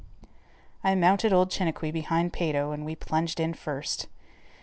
I mounted old Chiniquy behind Peyto and we plunged in first.